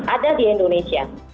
ada di indonesia